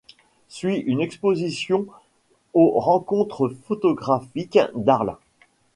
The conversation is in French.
Suit une exposition aux rencontres photographiques d’Arles.